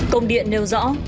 công điện nêu rõ